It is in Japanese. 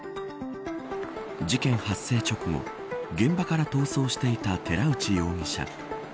事件発生直後、現場から逃走していた寺内容疑者。